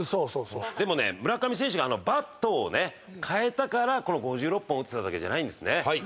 でもね、村上選手がバットをね、替えたから５６本打てただけじゃないんですね。